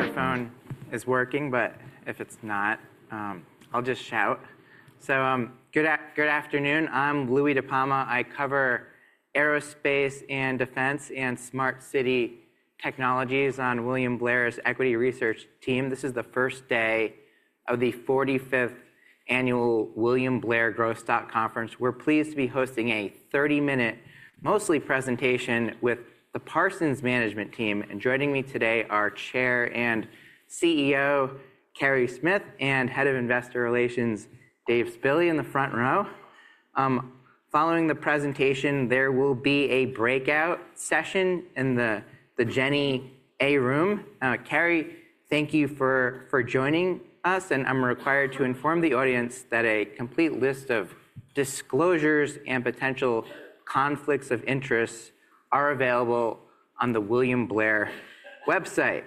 Microphone is working, but if it's not, I'll just shout. Good afternoon. I'm Louis De Palma. I cover aerospace and defense and smart city technologies on William Blair's Equity Research team. This is the first day of the 45th annual William Blair Growth Stock Conference. We're pleased to be hosting a 30-minute, mostly presentation, with the Parsons Management team. Joining me today are Chair and CEO Carey Smith and Head of Investor Relations Dave Spille in the front row. Following the presentation, there will be a breakout session in the Jenny A. Room. Carey, thank you for joining us. I'm required to inform the audience that a complete list of disclosures and potential conflicts of interest are available on the William Blair website.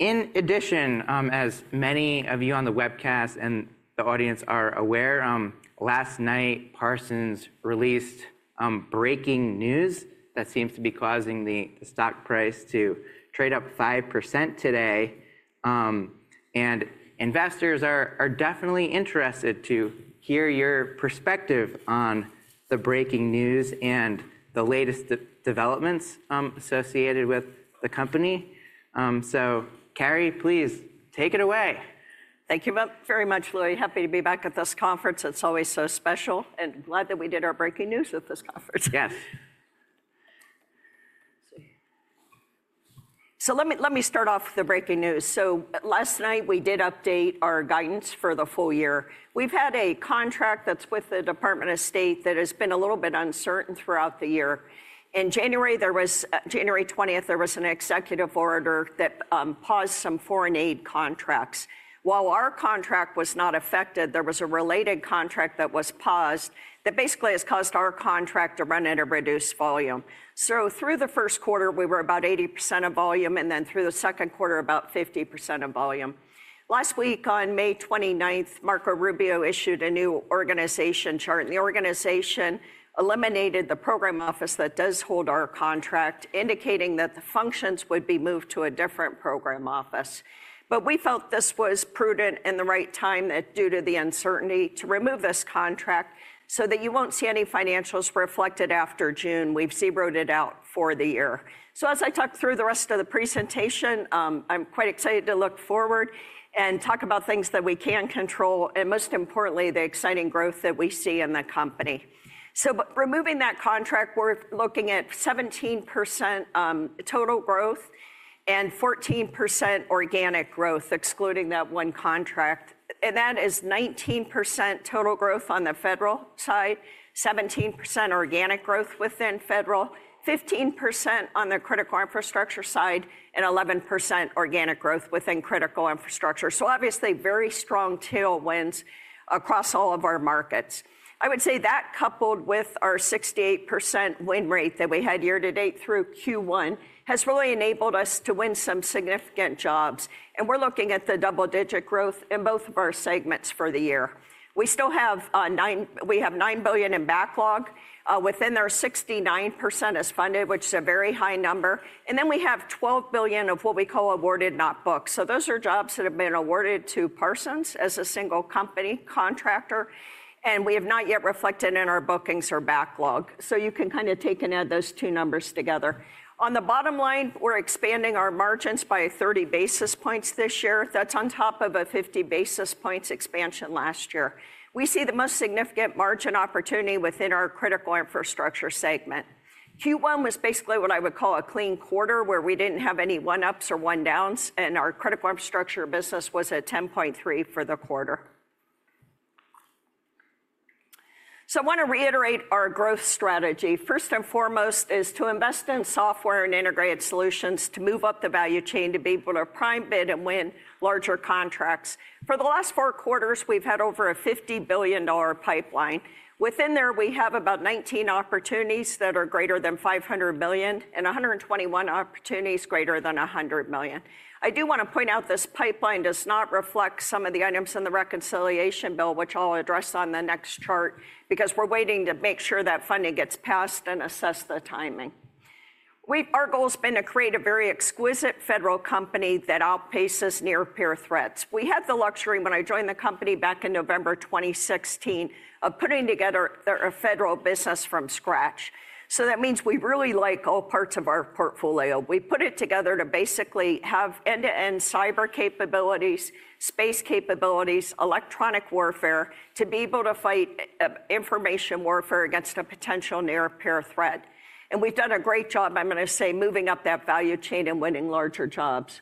In addition, as many of you on the webcast and the audience are aware, last night Parsons released breaking news that seems to be causing the stock price to trade up 5% today. Investors are definitely interested to hear your perspective on the breaking news and the latest developments associated with the company. Carey, please take it away. Thank you very much, Louis. Happy to be back at this conference. It is always so special. Glad that we did our breaking news at this conference. Yes. Let me start off with the breaking news. Last night we did update our guidance for the full year. We've had a contract that's with the Department of State that has been a little bit uncertain throughout the year. In January, there was January 20th, there was an executive order that paused some foreign aid contracts. While our contract was not affected, there was a related contract that was paused that basically has caused our contract to run at a reduced volume. Through the first quarter, we were about 80% of volume. Then through the second quarter, about 50% of volume. Last week, on May 29th, Marco Rubio issued a new organization chart. The organization eliminated the program office that does hold our contract, indicating that the functions would be moved to a different program office. We felt this was prudent and the right time that, due to the uncertainty, to remove this contract so that you will not see any financials reflected after June. We have zeroed it out for the year. As I talk through the rest of the presentation, I am quite excited to look forward and talk about things that we can control and, most importantly, the exciting growth that we see in the company. Removing that contract, we are looking at 17% total growth and 14% organic growth, excluding that one contract. That is 19% total growth on the federal side, 17% organic growth within federal, 15% on the critical infrastructure side, and 11% organic growth within critical infrastructure. Obviously, very strong tailwinds across all of our markets. I would say that, coupled with our 68% win rate that we had year to date through Q1, has really enabled us to win some significant jobs. We're looking at the double-digit growth in both of our segments for the year. We still have $9 billion in backlog. Within there, 69% is funded, which is a very high number. We have $12 billion of what we call awarded, not booked. Those are jobs that have been awarded to Parsons as a single company contractor, and we have not yet reflected in our bookings or backlog. You can kind of take and add those two numbers together. On the bottom line, we're expanding our margins by 30 basis points this year. That's on top of a 50 basis points expansion last year. We see the most significant margin opportunity within our critical infrastructure segment. Q1 was basically what I would call a clean quarter, where we did not have any one-ups or one-downs. Our critical infrastructure business was at $10.3 billion for the quarter. I want to reiterate our growth strategy. First and foremost is to invest in software and integrated solutions to move up the value chain, to be able to prime bid and win larger contracts. For the last four quarters, we have had over a $50 billion pipeline. Within there, we have about 19 opportunities that are greater than $500 million and 121 opportunities greater than $100 million. I do want to point out this pipeline does not reflect some of the items in the reconciliation bill, which I will address on the next chart, because we are waiting to make sure that funding gets passed and assess the timing. Our goal has been to create a very exquisite federal company that outpaces near-peer threats. We had the luxury, when I joined the company back in November 2016, of putting together a federal business from scratch. That means we really like all parts of our portfolio. We put it together to basically have end-to-end cyber capabilities, space capabilities, electronic warfare to be able to fight information warfare against a potential near-peer threat. We've done a great job, I'm going to say, moving up that value chain and winning larger jobs.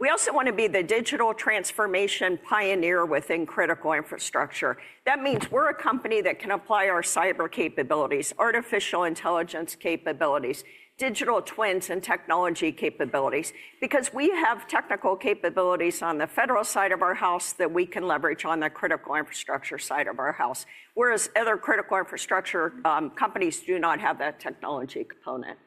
We also want to be the digital transformation pioneer within critical infrastructure. That means we're a company that can apply our cyber capabilities, artificial intelligence capabilities, digital twins, and technology capabilities because we have technical capabilities on the federal side of our house that we can leverage on the critical infrastructure side of our house, whereas other critical infrastructure companies do not have that technology component.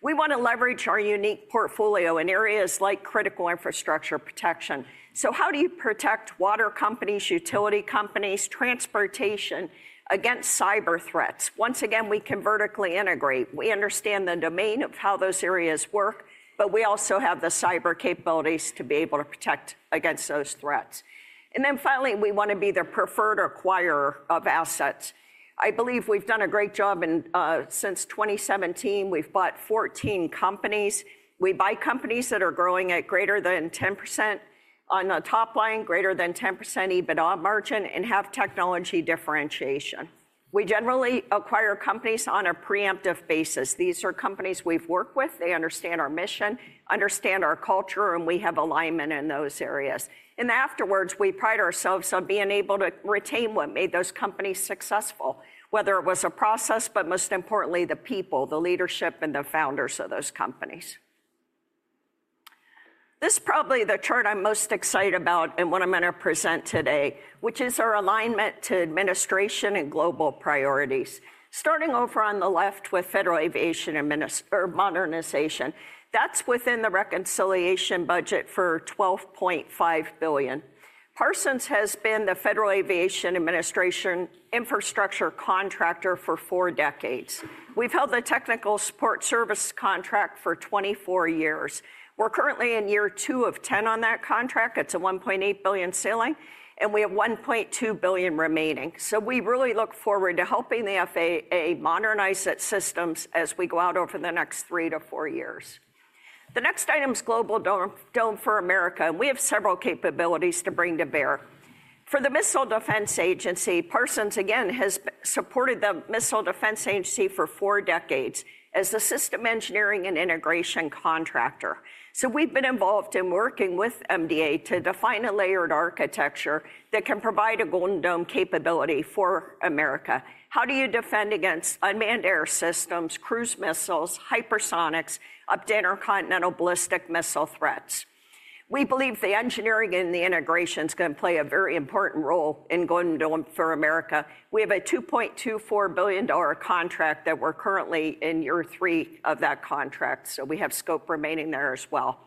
We want to leverage our unique portfolio in areas like critical infrastructure protection. How do you protect water companies, utility companies, transportation against cyber threats? Once again, we can vertically integrate. We understand the domain of how those areas work, but we also have the cyber capabilities to be able to protect against those threats. Finally, we want to be the preferred acquirer of assets. I believe we've done a great job. Since 2017, we've bought 14 companies. We buy companies that are growing at greater than 10% on the top line, greater than 10% EBITDA margin, and have technology differentiation. We generally acquire companies on a preemptive basis. These are companies we've worked with. They understand our mission, understand our culture, and we have alignment in those areas. In the afterwards, we pride ourselves on being able to retain what made those companies successful, whether it was a process, but most importantly, the people, the leadership, and the founders of those companies. This is probably the chart I'm most excited about and what I'm going to present today, which is our alignment to administration and global priorities. Starting over on the left with federal aviation and modernization, that's within the reconciliation budget for $12.5 billion. Parsons has been the Federal Aviation Administration infrastructure contractor for four decades. We've held the technical support service contract for 24 years. We're currently in year two of 10 on that contract. It's a $1.8 billion ceiling. And we have $1.2 billion remaining. So we really look forward to helping the FAA modernize its systems as we go out over the next three to four years. The next item is Golden Dome for America. And we have several capabilities to bring to bear. For the Missile Defense Agency, Parsons, again, has supported the Missile Defense Agency for four decades as a system engineering and integration contractor. So we've been involved in working with MDA to define a layered architecture that can provide a Golden Dome capability for America. How do you defend against unmanned air systems, cruise missiles, hypersonics, up to intercontinental ballistic missile threats? We believe the engineering and the integration is going to play a very important role in Golden Dome for America. We have a $2.24 billion contract that we're currently in year three of that contract. We have scope remaining there as well.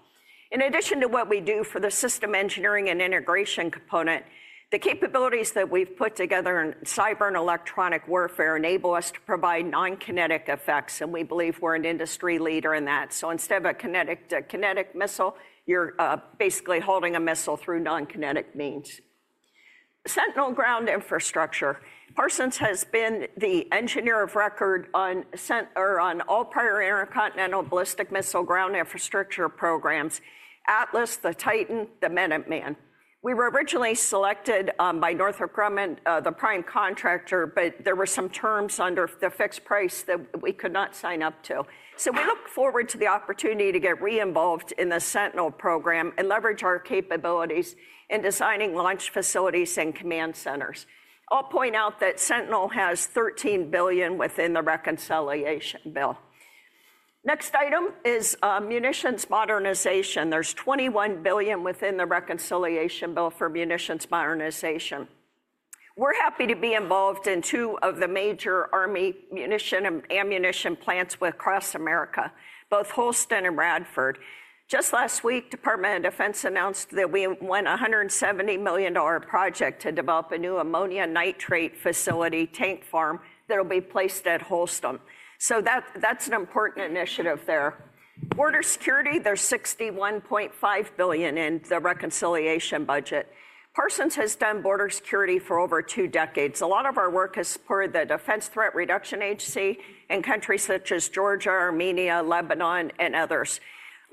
In addition to what we do for the system engineering and integration component, the capabilities that we've put together in cyber and electronic warfare enable us to provide non-kinetic effects. We believe we're an industry leader in that. Instead of a kinetic missile, you're basically holding a missile through non-kinetic means. Sentinel ground infrastructure. Parsons has been the engineer of record on all prior intercontinental ballistic missile ground infrastructure programs: Atlas, the Titan, the Minuteman. We were originally selected by Northrop Grumman, the prime contractor, but there were some terms under the fixed price that we could not sign up to. We look forward to the opportunity to get reinvolved in the Sentinel program and leverage our capabilities in designing launch facilities and command centers. I'll point out that Sentinel has $13 billion within the reconciliation bill. Next item is munitions modernization. There's $21 billion within the reconciliation bill for munitions modernization. We're happy to be involved in two of the major Army munition and ammunition plants across America, both Holston and Bradford. Just last week, the Department of Defense announced that we won a $170 million project to develop a new ammonia nitrate facility tank farm that will be placed at Holston. That's an important initiative there. Border security, there's $61.5 billion in the reconciliation budget. Parsons has done border security for over two decades. A lot of our work has supported the Defense Threat Reduction Agency in countries such as Georgia, Armenia, Lebanon, and others.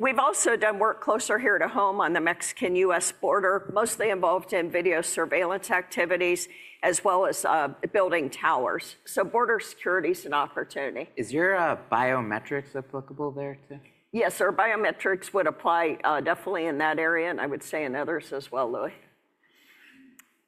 We've also done work closer here to home on the Mexico-U.S. border, mostly involved in video surveillance activities, as well as building towers. Border security is an opportunity. Is your biometrics applicable there too? Yes, our biometrics would apply definitely in that area. I would say in others as well, Louis.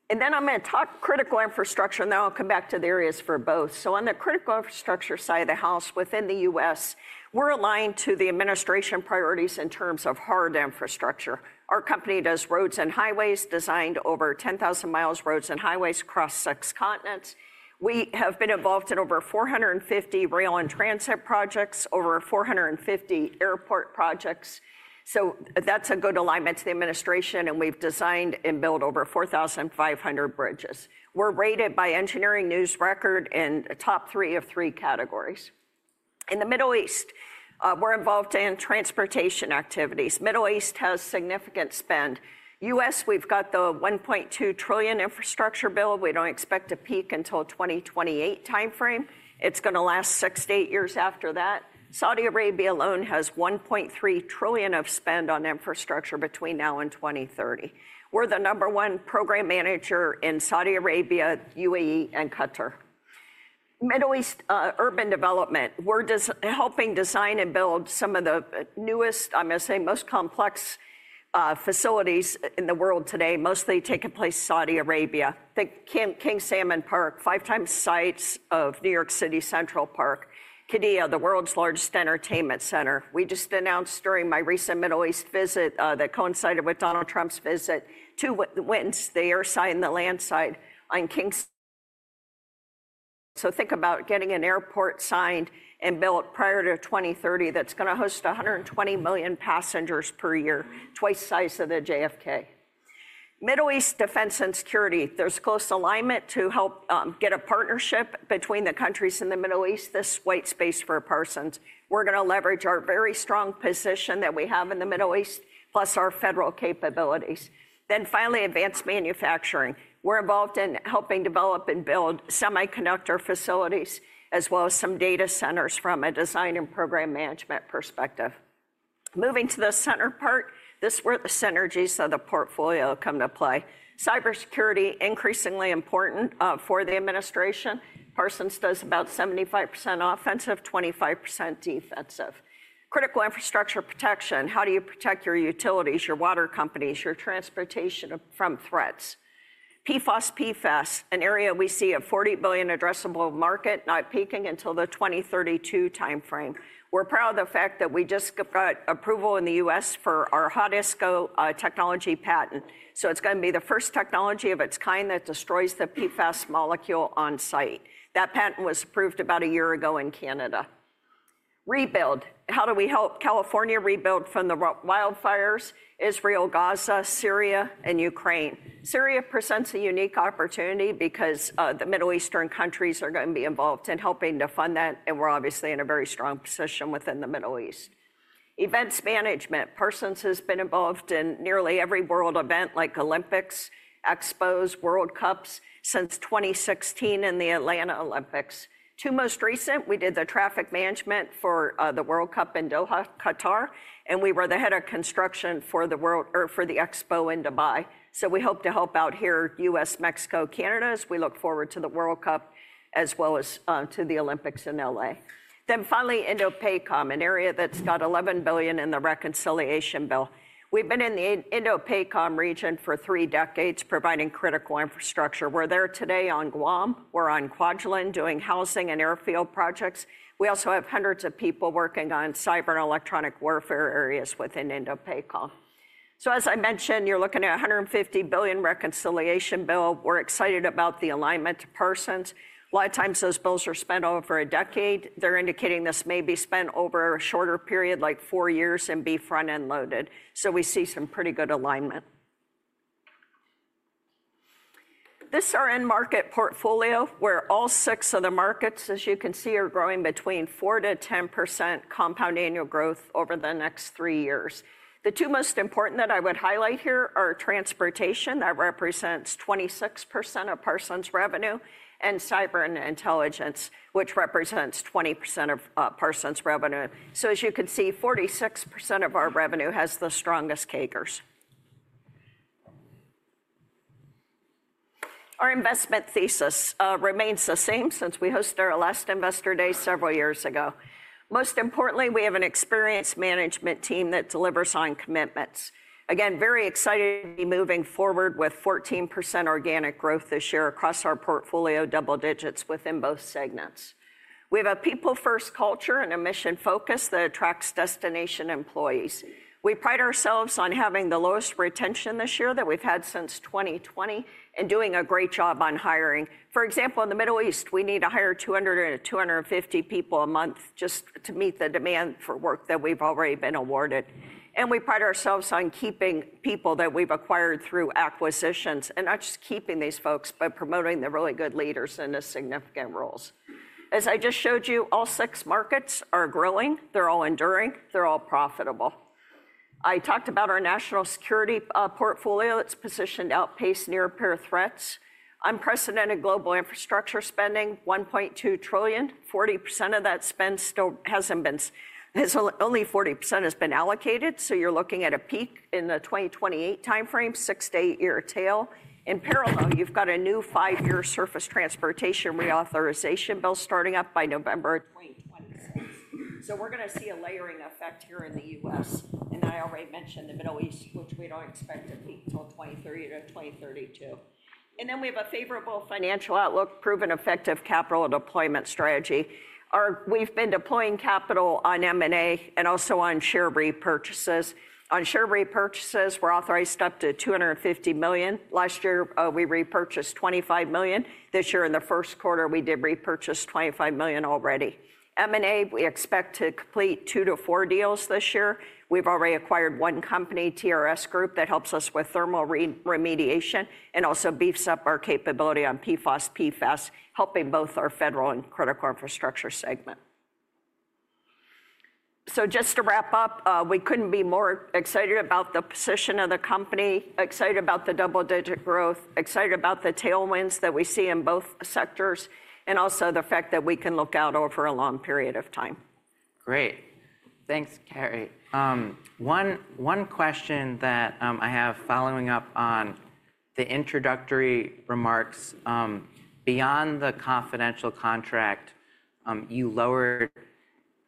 I am going to talk critical infrastructure. I will come back to the areas for both. On the critical infrastructure side of the house within the U.S., we are aligned to the administration priorities in terms of hard infrastructure. Our company does roads and highways, designed over 10,000 mi of roads and highways across six continents. We have been involved in over 450 rail and transit projects, over 450 airport projects. That is a good alignment to the administration. We have designed and built over 4,500 bridges. We are rated by Engineering News Record in the top three of three categories. In the Middle East, we are involved in transportation activities. The Middle East has significant spend. In the U.S., we have the $1.2 trillion infrastructure bill. We do not expect a peak until the 2028 time frame. It is going to last six to eight years after that. Saudi Arabia alone has $1.3 trillion of spend on infrastructure between now and 2030. We are the number one program manager in Saudi Arabia, UAE, and Qatar. Middle East urban development. We are helping design and build some of the newest, I am going to say, most complex facilities in the world today, mostly taking place in Saudi Arabia. Think King's Sandman Park, five times the size of New York City Central Park. Qiddiya, the world's largest entertainment center. We just announced during my recent Middle East visit that coincided with Donald Trump's visit two wins, the air side and the land side, on King's. Think about getting an airport signed and built prior to 2030 that is going to host 120 million passengers per year, twice the size of the JFK. Middle East defense and security. There is close alignment to help get a partnership between the countries in the Middle East. This is white space for Parsons. We are going to leverage our very strong position that we have in the Middle East, plus our federal capabilities. Finally, advanced manufacturing. We are involved in helping develop and build semiconductor facilities, as well as some data centers from a design and program management perspective. Moving to the center part, this is where the synergies of the portfolio come to play. Cybersecurity, increasingly important for the administration. Parsons does about 75% offensive, 25% defensive. Critical infrastructure protection. How do you protect your utilities, your water companies, your transportation from threats? PFOS, PFAS, an area we see a $40 billion addressable market, not peaking until the 2032 time frame. We're proud of the fact that we just got approval in the U.S. for our Hot ISCO technology patent. It's going to be the first technology of its kind that destroys the PFAS molecule on site. That patent was approved about a year ago in Canada. Rebuild. How do we help California rebuild from the wildfires? Israel, Gaza, Syria, and Ukraine. Syria presents a unique opportunity because the Middle Eastern countries are going to be involved in helping to fund that. We're obviously in a very strong position within the Middle East. Events management. Parsons has been involved in nearly every world event, like Olympics, expos, World Cups, since 2016 in the Atlanta Olympics. Two most recent, we did the traffic management for the World Cup in Doha, Qatar. We were the head of construction for the expo in Dubai. We hope to help out here, U.S., Mexico, Canada, as we look forward to the World Cup, as well as to the Olympics in Los Angeles. Finally, IndoPACOM, an area that's got $11 billion in the reconciliation bill. We've been in the IndoPACOM region for three decades, providing critical infrastructure. We're there today on Guam. We're on Kwajalein doing housing and airfield projects. We also have hundreds of people working on cyber and electronic warfare areas within IndoPACOM. As I mentioned, you're looking at a $150 billion reconciliation bill. We're excited about the alignment to Parsons. A lot of times, those bills are spent over a decade. They're indicating this may be spent over a shorter period, like four years, and be front-end loaded. We see some pretty good alignment. This is our end market portfolio, where all six of the markets, as you can see, are growing between 4%-10% compound annual growth over the next three years. The two most important that I would highlight here are transportation that represents 26% of Parsons revenue, and cyber and intelligence, which represents 20% of Parsons revenue. As you can see, 46% of our revenue has the strongest CAGRs. Our investment thesis remains the same since we hosted our last Investor Day several years ago. Most importantly, we have an experienced management team that delivers on commitments. Again, very excited to be moving forward with 14% organic growth this year across our portfolio, double digits within both segments. We have a people-first culture and a mission focus that attracts destination employees. We pride ourselves on having the lowest retention this year that we've had since 2020 and doing a great job on hiring. For example, in the Middle East, we need to hire 200 people-250 people a month just to meet the demand for work that we've already been awarded. We pride ourselves on keeping people that we've acquired through acquisitions, and not just keeping these folks, but promoting the really good leaders in the significant roles. As I just showed you, all six markets are growing. They're all enduring. They're all profitable. I talked about our national security portfolio. It's positioned outpaced near-peer threats. Unprecedented global infrastructure spending, $1.2 trillion. 40% of that spend still hasn't been only 40% has been allocated. You're looking at a peak in the 2028 time frame, six-eight-year tail. In parallel, you've got a new five-year surface transportation reauthorization bill starting up by November 2026. We're going to see a layering effect here in the U.S. I already mentioned the Middle East, which we don't expect to peak till 2030-2032. We have a favorable financial outlook, proven effective capital deployment strategy. We've been deploying capital on M&A and also on share repurchases. On share repurchases, we're authorized up to $250 million. Last year, we repurchased $25 million. This year, in the first quarter, we did repurchase $25 million already. M&A, we expect to complete two deals-four deals this year. We've already acquired one company, TRS Group, that helps us with thermal remediation and also beefs up our capability on PFOS, PFAS, helping both our federal and critical infrastructure segment. Just to wrap up, we couldn't be more excited about the position of the company, excited about the double-digit growth, excited about the tailwinds that we see in both sectors, and also the fact that we can look out over a long period of time. Great. Thanks, Carey. One question that I have following up on the introductory remarks. Beyond the confidential contract, you lowered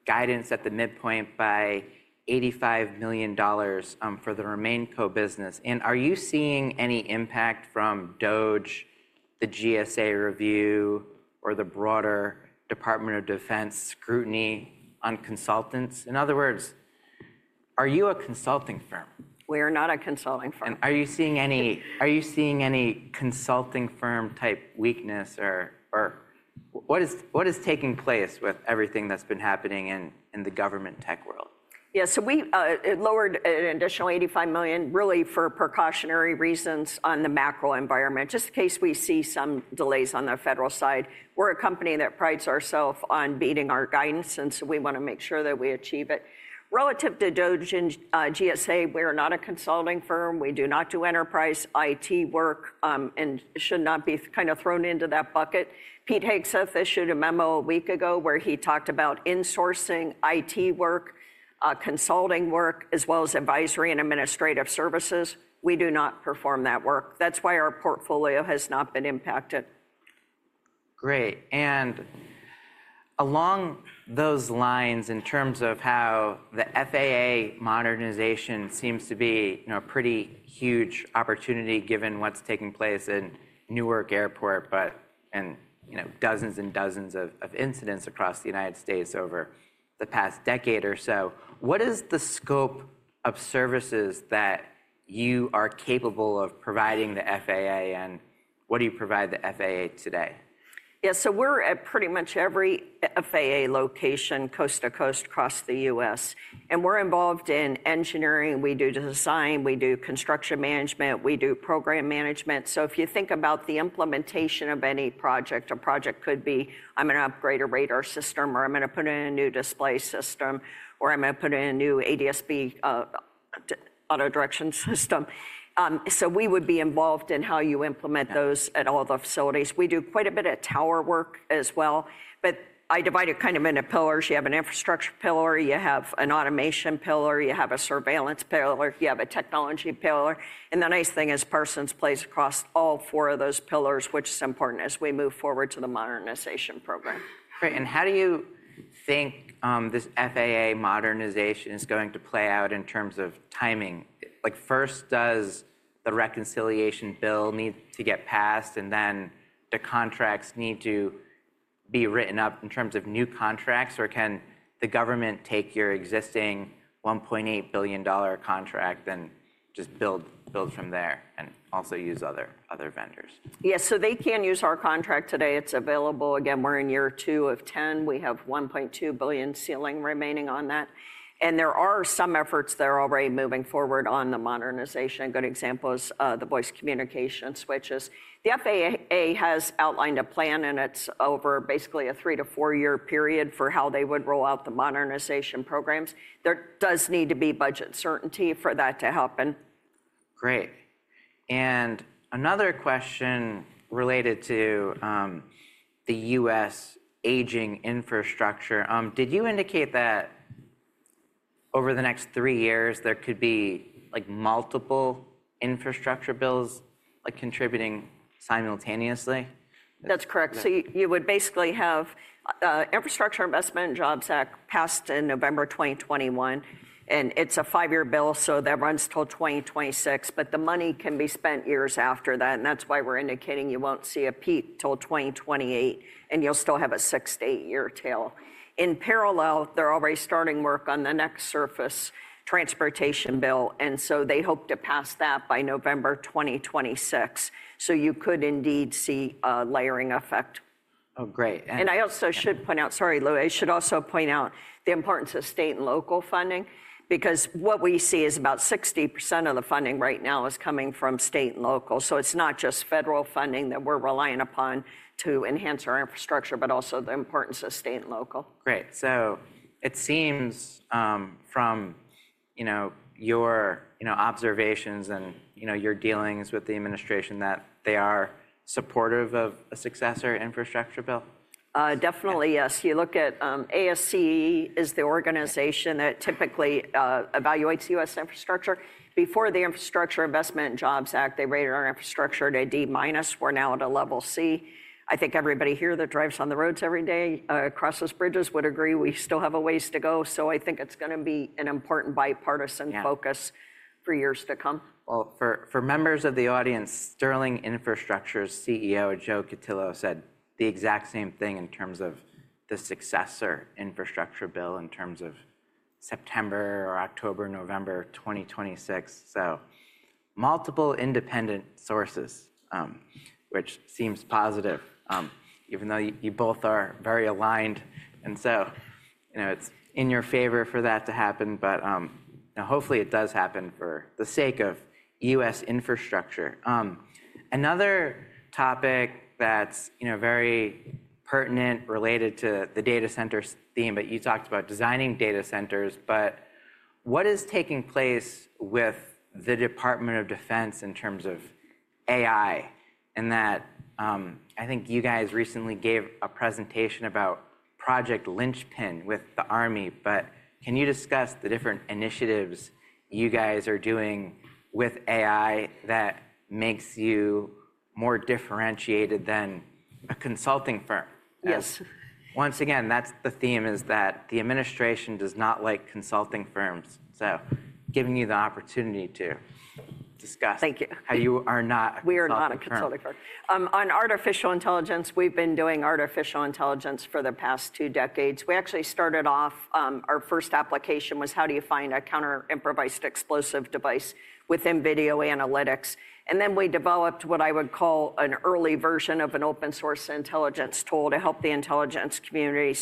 guidance at the midpoint by $85 million for the remaining co-business. Are you seeing any impact from DOGE, the GSA review, or the broader Department of Defense scrutiny on consultants? In other words, are you a consulting firm? We are not a consulting firm. Are you seeing any consulting firm-type weakness, or what is taking place with everything that's been happening in the government tech world? Yeah, so we lowered an additional $85 million, really for precautionary reasons on the macro environment, just in case we see some delays on the federal side. We're a company that prides ourselves on beating our guidance, and so we want to make sure that we achieve it. Relative to DOGE and GSA, we are not a consulting firm. We do not do enterprise IT work and should not be kind of thrown into that bucket. Pete Hegseth issued a memo a week ago where he talked about insourcing IT work, consulting work, as well as advisory and administrative services. We do not perform that work. That's why our portfolio has not been impacted. Great. Along those lines, in terms of how the FAA modernization seems to be a pretty huge opportunity given what's taking place in Newark Airport and dozens and dozens of incidents across the United States over the past decade or so, what is the scope of services that you are capable of providing the FAA, and what do you provide the FAA today? Yeah, so we're at pretty much every FAA location, coast to coast across the U.S. And we're involved in engineering. We do design. We do construction management. We do program management. If you think about the implementation of any project, a project could be, I'm going to upgrade a radar system, or I'm going to put in a new display system, or I'm going to put in a new ADS-B autodirection system. We would be involved in how you implement those at all the facilities. We do quite a bit of tower work as well. I divide it kind of into pillars. You have an infrastructure pillar. You have an automation pillar. You have a surveillance pillar. You have a technology pillar. The nice thing is Parsons plays across all four of those pillars, which is important as we move forward to the modernization program. Great. How do you think this FAA modernization is going to play out in terms of timing? First, does the reconciliation bill need to get passed, and then the contracts need to be written up in terms of new contracts, or can the government take your existing $1.8 billion contract and just build from there and also use other vendors? Yes, so they can use our contract today. It's available. Again, we're in year two of 10. We have $1.2 billion ceiling remaining on that. There are some efforts that are already moving forward on the modernization. A good example is the voice communication switches. The FAA has outlined a plan, and it's over basically a three-four year period for how they would roll out the modernization programs. There does need to be budget certainty for that to happen. Great. Another question related to the U.S. aging infrastructure. Did you indicate that over the next three years, there could be multiple infrastructure bills contributing simultaneously? That's correct. You would basically have Infrastructure Investment and Jobs Act passed in November 2021. It is a five-year bill, so that runs till 2026. The money can be spent years after that. That is why we're indicating you won't see a peak till 2028, and you'll still have a six-eight year tail. In parallel, they're already starting work on the next surface transportation bill. They hope to pass that by November 2026. You could indeed see a layering effect. Oh, great. I also should point out, sorry, Lou, I should also point out the importance of state and local funding, because what we see is about 60% of the funding right now is coming from state and local. It is not just federal funding that we are relying upon to enhance our infrastructure, but also the importance of state and local. Great. It seems from your observations and your dealings with the administration that they are supportive of a successor infrastructure bill? Definitely, yes. You look at ASCE is the organization that typically evaluates U.S. infrastructure. Before the Infrastructure Investment and Jobs Act, they rated our infrastructure to a D-. We're now at a level C. I think everybody here that drives on the roads every day across those bridges would agree we still have a ways to go. I think it's going to be an important bipartisan focus for years to come. For members of the audience, Sterling Infrastructure's CEO, Joe Cotillo, said the exact same thing in terms of the successor infrastructure bill in terms of September or October or November 2026. Multiple independent sources, which seems positive, even though you both are very aligned. It is in your favor for that to happen, but hopefully it does happen for the sake of U.S. infrastructure. Another topic that is very pertinent related to the data center theme, you talked about designing data centers. What is taking place with the Department of Defense in terms of AI? I think you guys recently gave a presentation about Project Linchpin with the Army. Can you discuss the different initiatives you guys are doing with AI that makes you more differentiated than a consulting firm? Yes. Once again, that's the theme is that the administration does not like consulting firms. So giving you the opportunity to discuss. Thank you. How you are not? We are not a consulting firm. On artificial intelligence, we've been doing artificial intelligence for the past two decades. We actually started off, our first application was how do you find a counter-improvised explosive device within video analytics. We developed what I would call an early version of an open-source intelligence tool to help the intelligence community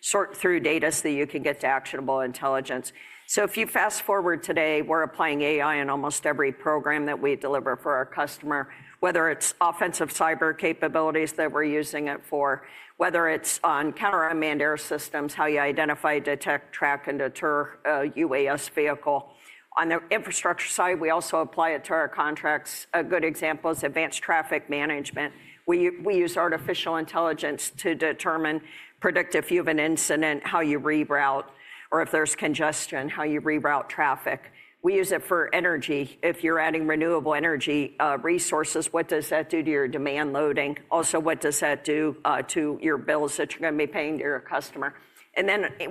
sort through data so that you can get to actionable intelligence. If you fast forward to today, we're applying AI in almost every program that we deliver for our customer, whether it's offensive cyber capabilities that we're using it for, whether it's on counter-manned air systems, how you identify, detect, track, and deter a UAS vehicle. On the infrastructure side, we also apply it to our contracts. A good example is advanced traffic management. We use artificial intelligence to determine, predict if you have an incident, how you reroute, or if there is congestion, how you reroute traffic. We use it for energy. If you are adding renewable energy resources, what does that do to your demand loading? Also, what does that do to your bills that you are going to be paying to your customer?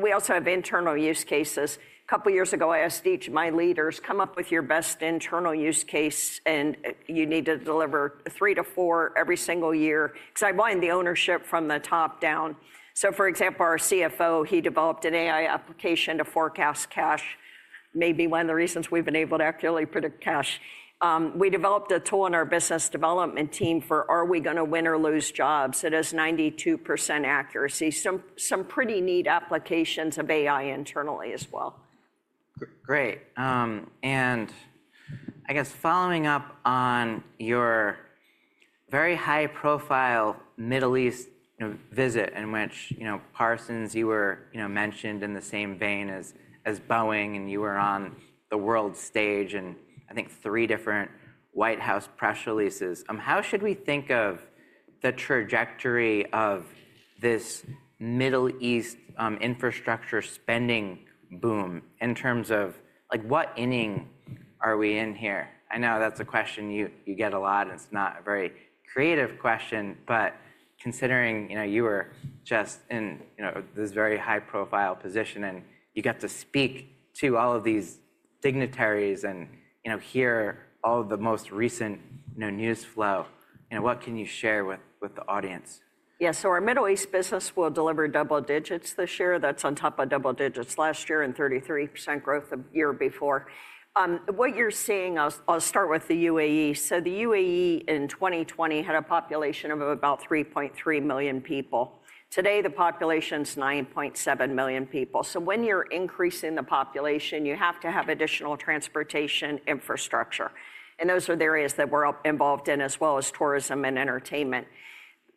We also have internal use cases. A couple of years ago, I asked each of my leaders, come up with your best internal use case, and you need to deliver three to four every single year, because I wanted the ownership from the top down. For example, our CFO, he developed an AI application to forecast cash, maybe one of the reasons we have been able to accurately predict cash. We developed a tool in our business development team for are we going to win or lose jobs? It has 92% accuracy. Some pretty neat applications of AI internally as well. Great. I guess following up on your very high-profile Middle East visit in which Parsons, you were mentioned in the same vein as Boeing, and you were on the world stage in, I think, three different White House press releases. How should we think of the trajectory of this Middle East infrastructure spending boom in terms of what inning are we in here? I know that's a question you get a lot, and it's not a very creative question. Considering you were just in this very high-profile position and you got to speak to all of these dignitaries and hear all of the most recent news flow, what can you share with the audience? Yeah, so our Middle East business will deliver double digits this year. That's on top of double digits last year and 33% growth the year before. What you're seeing, I'll start with the UAE. The UAE in 2020 had a population of about 3.3 million people. Today, the population is 9.7 million people. When you're increasing the population, you have to have additional transportation infrastructure. Those are the areas that we're involved in, as well as tourism and entertainment.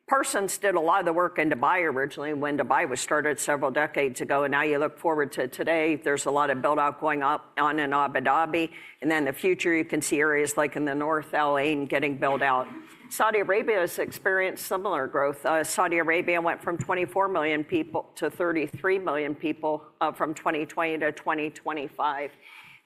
Parsons did a lot of the work in Dubai originally when Dubai was started several decades ago. Now you look forward to today, there's a lot of build-out going on in Abu Dhabi. In the future, you can see areas like in the north, Al Ain, getting built out. Saudi Arabia has experienced similar growth. Saudi Arabia went from 24 million people to 33 million people from 2020 to 2025.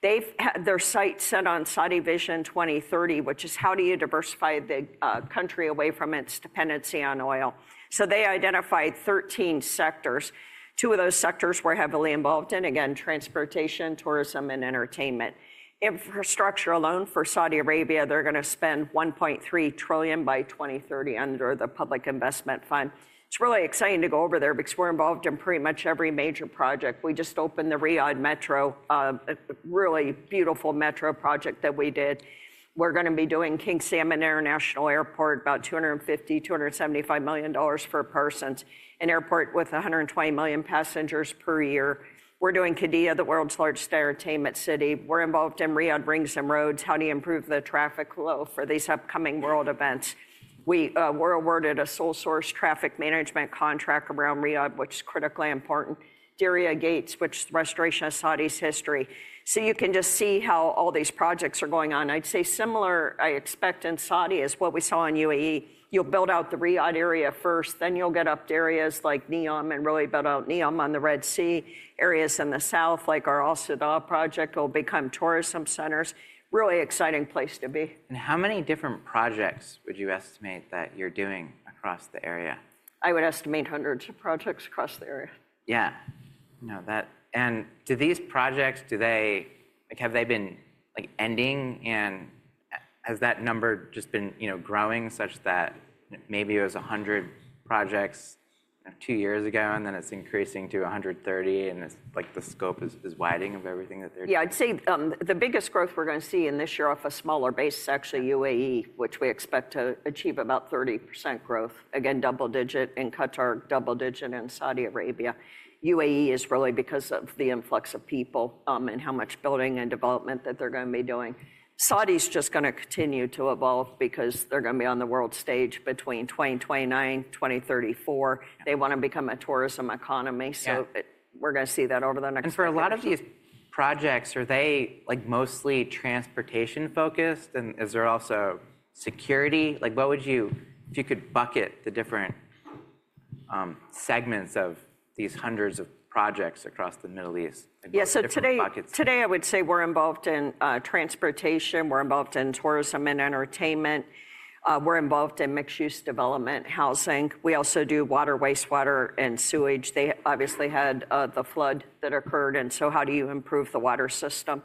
They've had their sights set on Saudi Vision 2030, which is how do you diversify the country away from its dependency on oil. So they identified 13 sectors. Two of those sectors we're heavily involved in, again, transportation, tourism, and entertainment. Infrastructure alone for Saudi Arabia, they're going to spend $1.3 trillion by 2030 under the Public Investment Fund. It's really exciting to go over there because we're involved in pretty much every major project. We just opened the Riyadh Metro, a really beautiful metro project that we did. We're going to be doing King Salman International Airport, about $250 million-$275 million for Parsons, an airport with 120 million passengers per year. We're doing Qiddiya, the world's largest entertainment city. We're involved in Riyadh Rings and Roads, how do you improve the traffic flow for these upcoming world events? We were awarded a sole-source traffic management contract around Riyadh, which is critically important. Diriyah Gates, which restoration of Saudi's history. You can just see how all these projects are going on. I'd say similar, I expect in Saudi, is what we saw in UAE. You'll build out the Riyadh area first. You'll get up to areas like Neom and really build out Neom on the Red Sea. Areas in the south, like our Al Soudah project, will become tourism centers. Really exciting place to be. How many different projects would you estimate that you're doing across the area? I would estimate hundreds of projects across the area. Yeah. Do these projects, have they been ending? Has that number just been growing such that maybe it was 100 projects two years ago, and then it's increasing to 130, and the scope is widening of everything that they're doing? Yeah, I'd say the biggest growth we're going to see in this year off a smaller base is actually UAE, which we expect to achieve about 30% growth, again, double digit, and Qatar double digit in Saudi Arabia. UAE is really because of the influx of people and how much building and development that they're going to be doing. Saudi's just going to continue to evolve because they're going to be on the world stage between 2029-2034. They want to become a tourism economy. We're going to see that over the next couple of years. For a lot of these projects, are they mostly transportation-focused? Is there also security? If you could bucket the different segments of these hundreds of projects across the Middle East. Yeah, so today, I would say we're involved in transportation. We're involved in tourism and entertainment. We're involved in mixed-use development housing. We also do water, wastewater, and sewage. They obviously had the flood that occurred. How do you improve the water system?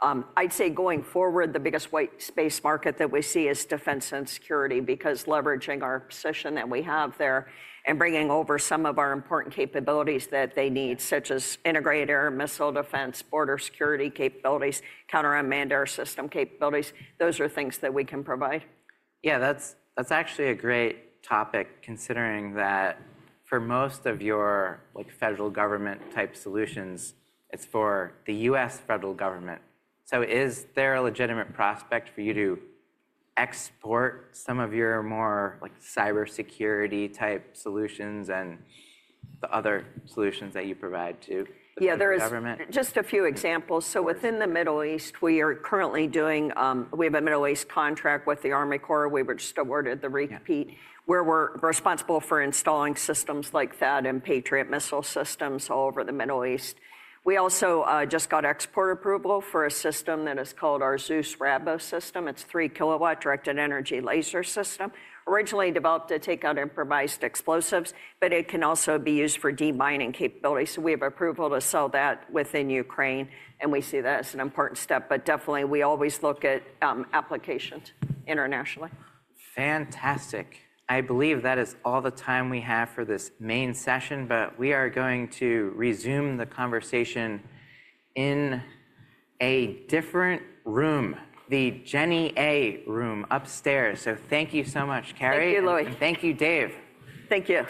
I'd say going forward, the biggest white space market that we see is defense and security because leveraging our position that we have there and bringing over some of our important capabilities that they need, such as integrated air and missile defense, border security capabilities, counter-manned air system capabilities. Those are things that we can provide. Yeah, that's actually a great topic considering that for most of your federal government-type solutions, it's for the U.S. federal government. Is there a legitimate prospect for you to export some of your more cybersecurity-type solutions and the other solutions that you provide to the government? Yeah, there's just a few examples. Within the Middle East, we are currently doing, we have a Middle East contract with the Army Corps. We were just awarded the repeat where we're responsible for installing systems like that and Patriot missile systems all over the Middle East. We also just got export approval for a system that is called our Zeus Rabo system. It's a 3 kW directed-energy laser system, originally developed to take out improvised explosives, but it can also be used for demining capabilities. We have approval to sell that within Ukraine. We see that as an important step. Definitely, we always look at applications internationally. Fantastic. I believe that is all the time we have for this main session, but we are going to resume the conversation in a different room, the Jenny A Room upstairs. Thank you so much, Carey. Thank you, Lou. Thank you, Dave. Thank you.